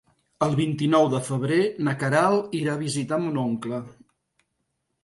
El vint-i-nou de febrer na Queralt irà a visitar mon oncle.